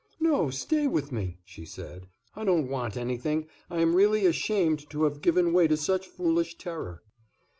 "No, stay with me," she said; "I don't want anything. I am really ashamed to have given way to such foolish terror."